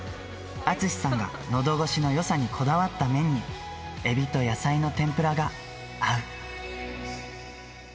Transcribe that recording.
厚さんが、のどごしのよさにこだわった麺に、エビと野菜の天ぷらが合う。